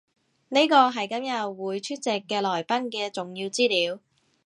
呢個係今日會出席嘅來賓嘅重要資料